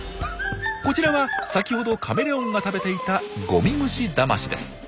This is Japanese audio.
こちらは先ほどカメレオンが食べていたゴミムシダマシです。